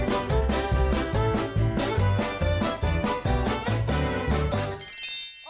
อุ้ยยยยย